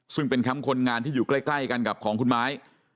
ซึ่งเป็นแคมป์คนงานที่อยู่ใกล้กันกับของคุณไม้